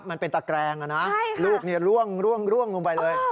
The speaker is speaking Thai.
มันเป็นตะแกรงนะลูกร่วงลงไปเลย